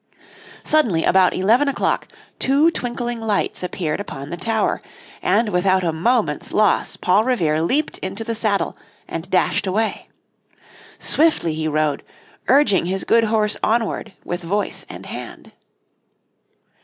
Suddenly about eleven o'clock two twinkling lights appeared upon the tower, and without a moment's loss Paul Revere leaped into the saddle and dashed away. Swiftly he rode, urging his good horse onward with voice and hand.